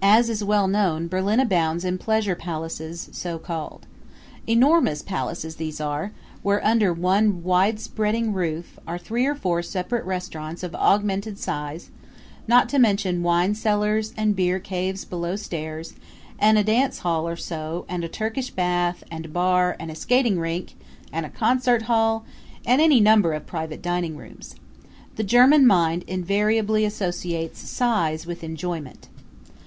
As is well known Berlin abounds in pleasure palaces, so called. Enormous places these are, where under one widespreading roof are three or four separate restaurants of augmented size, not to mention winecellars and beer caves below stairs, and a dancehall or so and a Turkish bath, and a bar, and a skating rink, and a concert hall and any number of private dining rooms. The German mind invariably associates size with enjoyment.